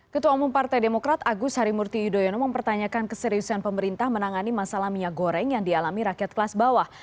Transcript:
ketua umum partai demokrat agus harimurti yudhoyono mempertanyakan keseriusan pemerintah menangani masalah minyak goreng yang dialami rakyat kelas bawah